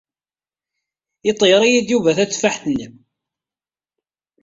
Iḍeyyeṛ-iyi-d Yuba tateffaḥt-nni.